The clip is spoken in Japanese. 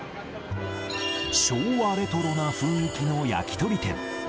昭和レトロな雰囲気の焼き鳥店。